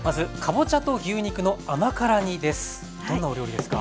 まずどんなお料理ですか？